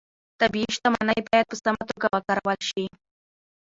طبیعي شتمنۍ باید په سمه توګه وکارول شي